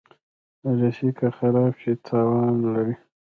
رسۍ که خراب شي، تاوان لري.